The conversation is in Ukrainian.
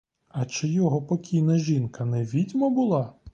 А чи його покійна жінка не відьма була?